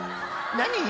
何？」